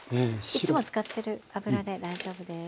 いつも使っている油で大丈夫です。